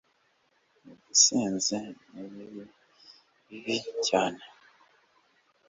ubusinzi nibibi bibi cyane